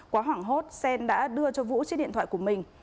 quá hoảng hốt sen đã đưa cho vũ chiếc điện thoại của mình